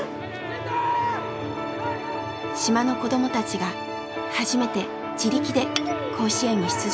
島の子供たちが初めて自力で甲子園に出場したのです。